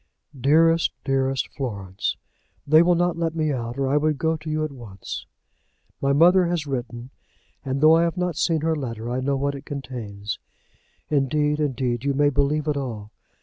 "Dearest, dearest Florence, They will not let me out, or I would go to you at once. My mother has written, and though I have not seen her letter, I know what it contains. Indeed, indeed you may believe it all.